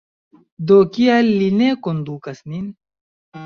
Do kial li ne kondukas nin?